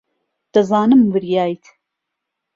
دەزانم وریایت.